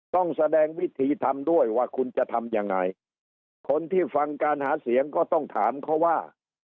ต้องแสดงวิธีทำด้วยว่าคุณจะทำยังไงคนที่ฟังการหาเสียงก็ต้องถามเขาว่า